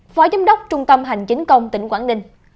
phó giám đốc trung tâm hành chính công tỉnh quảng ninh